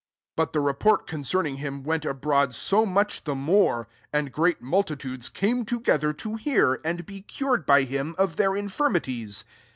15 But the report concerning him went abroad so much the more s and great multitudes came together to hear, and be cured [by him^ of their infirmities.